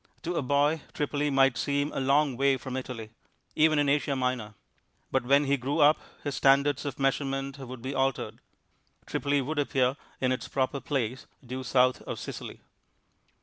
To a boy Tripoli might seem a long way from Italy even in Asia Minor; but when he grew up his standards of measurement would be altered. Tripoli would appear in its proper place due south of Sicily.